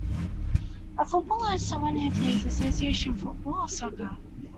A footballer is someone who plays Association Football, or soccer